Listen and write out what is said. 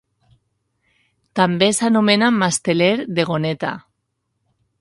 També s'anomena masteler de goneta.